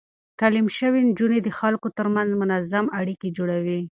تعليم شوې نجونې د خلکو ترمنځ منظم اړيکې جوړوي.